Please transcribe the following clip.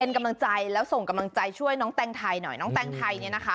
เป็นกำลังใจแล้วส่งกำลังใจช่วยน้องแตงไทยหน่อยน้องแตงไทยเนี่ยนะคะ